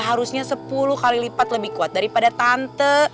harusnya sepuluh kali lipat lebih kuat daripada tante